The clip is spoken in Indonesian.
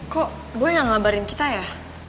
kok boy yang ngelabarin kita ya